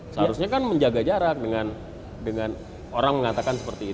seharusnya kan menjaga jarak dengan orang mengatakan seperti itu